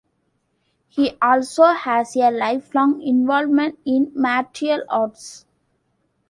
He also has a lifelong involvement in martial arts.